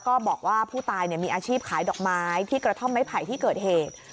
ก็บอกว่าผู้ตายมีอาชีพขายดอกไม้ที่กระท่อมไม้ไผ่ที่เกิดเหตุ